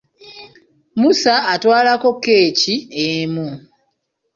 Musa atwalako keeki emu.